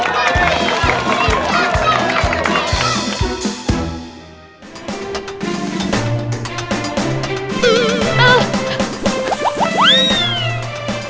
bersedia bersedia bersedia